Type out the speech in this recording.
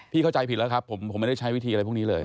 เข้าใจผิดแล้วครับผมไม่ได้ใช้วิธีอะไรพวกนี้เลย